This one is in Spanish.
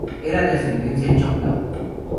Era de ascendencia choctaw.